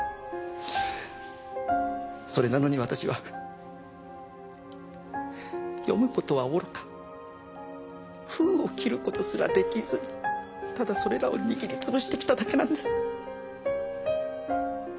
それなのに私は読む事はおろか封を切る事すらできずにただそれらを握り潰してきただけなんです。